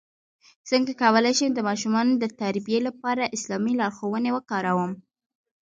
څنګه کولی شم د ماشومانو د تربیې لپاره اسلامي لارښوونې وکاروم